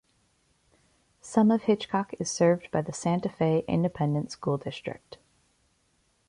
Some of Hitchcock is served by the Santa Fe Independent School District.